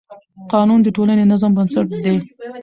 قانون د ټولنې د نظم بنسټ دی.